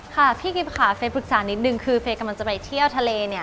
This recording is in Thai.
ค่ะพี่กิฟต์ค่ะเฟย์ปรึกษานิดนึงคือเฟย์กำลังจะไปเที่ยวทะเลเนี่ย